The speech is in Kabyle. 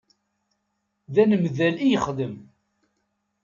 D anemgal i yexdem.